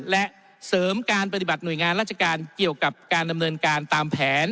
และเสริมการปฏิบัติหน่วยงานราชการเกี่ยวกับการดำเนินการตามแผน